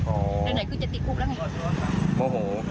โอ้โห